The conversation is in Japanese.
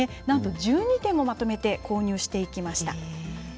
なんと１２点もまとめて購入していきました。